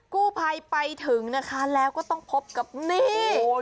กู้ภัยไปถึงนะคะแล้วก็ต้องพบกับนี่